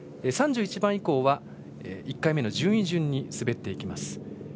３１番以降は、１回目の順位順に滑っていきます。